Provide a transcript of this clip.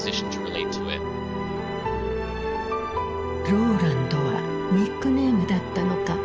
ローランドはニックネームだったのか。